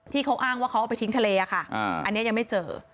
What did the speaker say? ที่เขาอ้างว่าเขาเอาไปทิ้งทะเลค่ะอันนี้ยังไม่เจอ